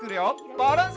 バランス！